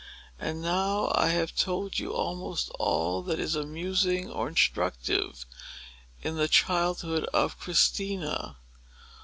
And now I have told you almost all that is amusing or instructive, in the childhood of Christina.